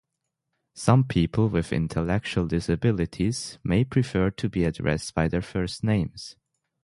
Some people with intellectual disabilities may prefer to be addressed by their first names.